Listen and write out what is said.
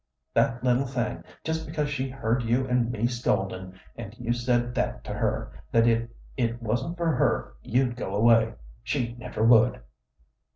That little thing, just because she heard you and me scoldin', and you said that to her, that if it wasn't for her you'd go away. She never would."